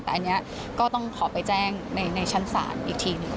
แต่อันนี้ก็ต้องขอไปแจ้งในชั้นศาลอีกทีหนึ่ง